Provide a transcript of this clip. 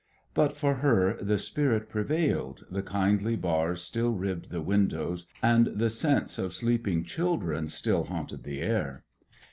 But for her the spirit prevailed, the kindly bars still ribbed the windows and the sense of sleeping children still haunted the air.